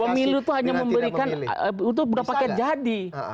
pemilu itu hanya memberikan itu berpaket jadi